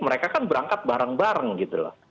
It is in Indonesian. maka barang barang gitu loh